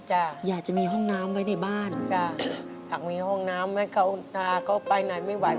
อยากจะมีห้องน้ำไว้ในบ้านจ้ะหากมีห้องน้ำไหมเขาตาเขาไปไหนไม่ไหว